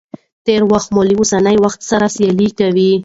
تېر وخت مو له اوسني وخت سره سيالي کوي.